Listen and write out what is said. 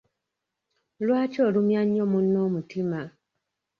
Lwaki olumya nnyo munno omutima?